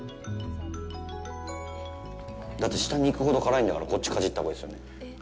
だって下に行くほど辛いんだからこっちかじったほうがいいですよね。